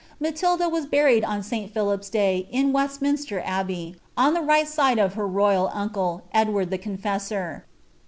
Matilda was buried on St Philip's day in Westminster I the right side of her royal uncle, Edward the Confessor.